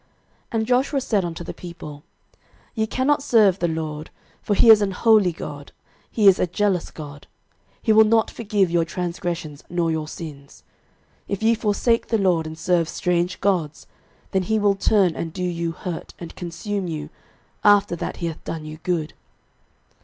06:024:019 And Joshua said unto the people, Ye cannot serve the LORD: for he is an holy God; he is a jealous God; he will not forgive your transgressions nor your sins. 06:024:020 If ye forsake the LORD, and serve strange gods, then he will turn and do you hurt, and consume you, after that he hath done you good.